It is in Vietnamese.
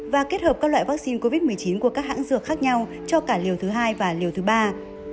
và kết hợp các loại vaccine covid một mươi chín của các hãng dược khác nhau cho cả liều thứ hai và liều thứ ba